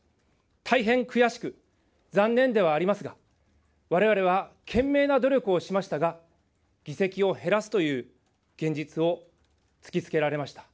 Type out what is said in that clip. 大変悔しく、残念ではありますが、われわれは、懸命な努力をしましたが、議席を減らすという現実を突きつけられました。